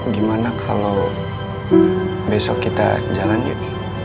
gimana kalau besok kita jalan yuk